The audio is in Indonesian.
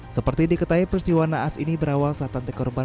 seperti diketahui peristiwa naas ini berawal saat tante korban